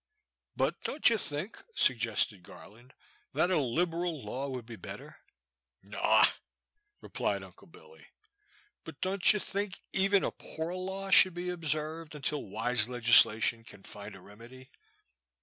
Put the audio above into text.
But don't you think," suggested Garland, that a liberal law would be better ?"'* Naw," replied Uncle Billy. '* But don't you think even a poor law should be observed until wise legislation can find a rem edy?"